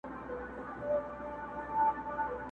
o پلار دي د ږيري سره راته ولاړ و، ما ور نه کی٫